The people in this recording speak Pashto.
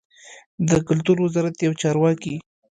د کلتور وزارت یو چارواکي